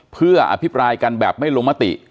เพื่ออภิปรายกันแบบไม่ลงมติ